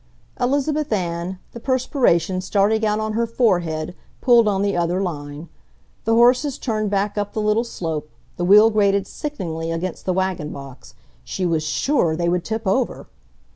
Elizabeth Ann, the perspiration starting out on her forehead, pulled on the other line. The horses turned back up the little slope, the wheel grated sickeningly against the wagonbox—she was SURE they would tip over!